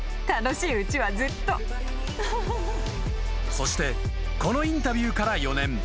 ［そしてこのインタビューから４年］